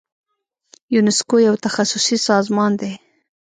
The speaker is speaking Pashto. یونسکو یو تخصصي سازمان دی.